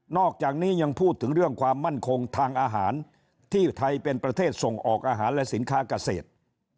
อกจากนี้ยังพูดถึงเรื่องความมั่นคงทางอาหารที่ไทยเป็นประเทศส่งออกอาหารและสินค้าเกษตร